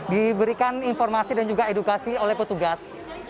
diberikan informasi dan juga edukasi oleh petugas